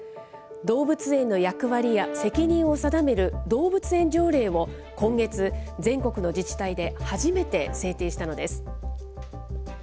動物園の役割や責任を定める動物園条例を今月、全国の自治体で初めて制定したのです。